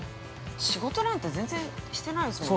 ◆仕事なんて全然してないですもんね。